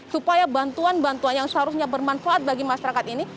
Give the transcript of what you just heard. supaya bantuan bantuan yang seharusnya bermanfaat bagi masyarakat ini